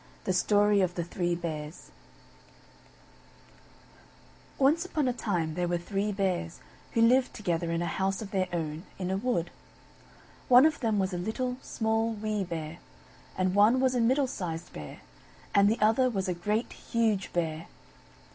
THE STORY OF THE THREE BEARS Once upon a time there were Three Bears, who lived together in a house of their own, in a wood. One of them was a Little, Small Wee Bear; and one was a Middle sized Bear, and the other was a Great, Huge Bear.